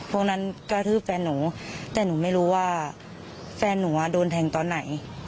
พวกนั้นกระทืบแฟนหนูแต่หนูไม่รู้ว่าแฟนหนูโดนแทงตอนไหน